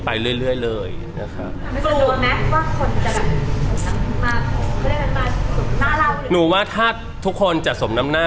ไปเรื่อยเลยนะครับ